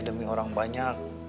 demi orang banyak